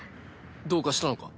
どうかしたのか？